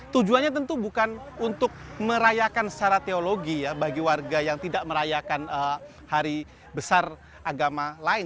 tujuannya tentu bukan untuk merayakan secara teologi ya bagi warga yang tidak merayakan hari besar agama lain